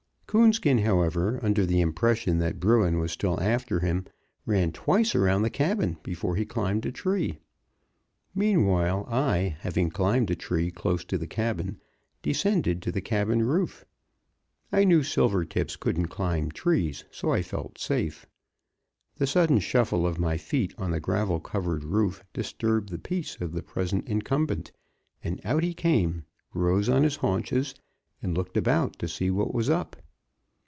Coonskin, however, under the impression that bruin was still after him, ran twice around the cabin before he climbed a tree. Meanwhile, I, having climbed a tree close to the cabin, descended to the cabin roof. I knew silvertips couldn't climb trees, so I felt safe. The sudden shuffle of my feet on the gravel covered roof disturbed the peace of the present incumbent, and out he came, rose on his haunches and looked about to see what was up.